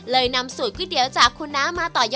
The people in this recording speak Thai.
นำสูตรก๋วยเตี๋ยวจากคุณน้ามาต่อยอด